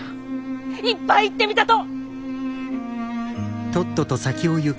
いっぱい言ってみたと！